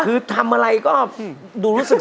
เอ่อซัคซีน